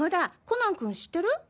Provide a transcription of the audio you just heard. コナン君知ってる？